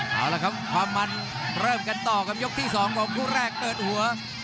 เอาละครับความมันเริ่มกันต่อกับยกที่๒ของคู่แรกเปิดหัว